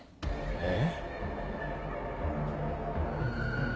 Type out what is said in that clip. えっ？